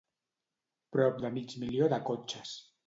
Prop de mig milió de cotxes.